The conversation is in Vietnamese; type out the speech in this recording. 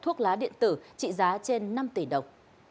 thuốc lá điện tử trị giá trên năm tỷ đồng